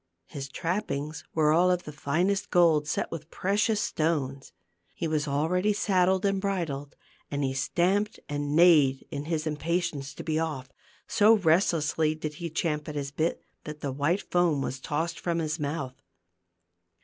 His trappings were all of the finest gold, set with precious stones. He was already saddled and bridled, and he stamped and neighed in his im patience to be off ; so restlessly did he champ at his bit that the white foam was tossed from his mouth.